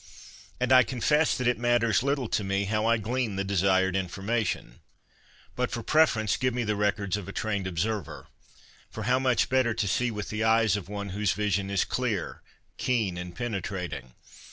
And I confess that it matters little to me how I glean the desired information. But for preference give me the records of a trained observer. For how much better to see with the eyes of one whose vision is clear, keen, and penetrating